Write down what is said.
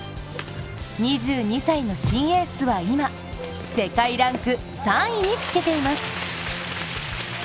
２２歳の新エースは今世界ランク３位につけています。